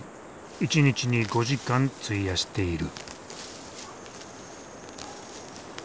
１日に５時間費やしている。